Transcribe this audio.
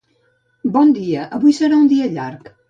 Bon dia, avui serà un dia llarg.